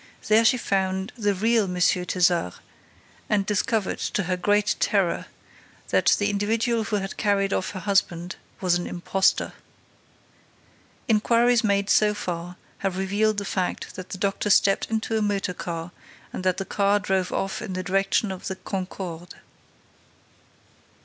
There she found the real M. Thézard and discovered, to her great terror, that the individual who had carried off her husband was an impostor. Inquiries made so far have revealed the fact that the doctor stepped into a motor car and that the car drove off in the direction of the Concorde.